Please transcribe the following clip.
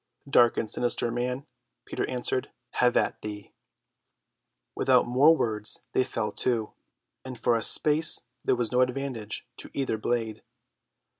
"Dark and sinister man," Peter answered, "have at thee." Without more words they fell to, and for a space there was no advantage to either blade.